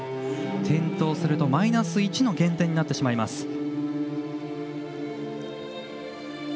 転倒するとマイナス１の減点になってしまいます。